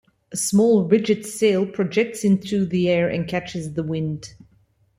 A small rigid sail projects into the air and catches the wind.